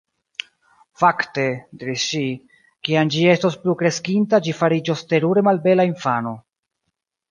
"Fakte," diris ŝi, "kiam ĝi estos plukreskinta ĝi fariĝos terure malbela infano. »